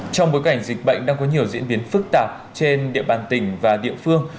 trong bối cảnh dịch bệnh đang có nhiều diễn biến phức tạp trên địa bàn tỉnh và địa phương